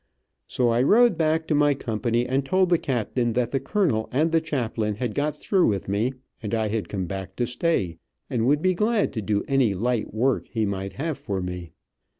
So I rode back to my company and told the captain that the colonel and the chaplain had got through with me, and I had come back to stay, and would be glad to do any light work he might have for me.